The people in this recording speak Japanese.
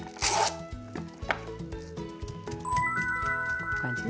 こんな感じで。